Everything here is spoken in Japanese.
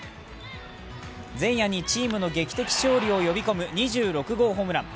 前夜にチームに劇的勝利を呼び込む２６号ホームラン。